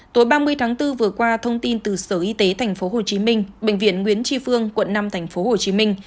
tối ba mươi tháng bốn vừa qua thông tin từ sở y tế tp hcm bệnh viện nguyễn tri phương quận năm tp hcm